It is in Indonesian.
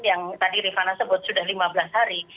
yang tadi rifana sebut sudah lima belas hari